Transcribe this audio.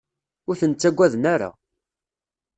Ur ten-ttagaden ara.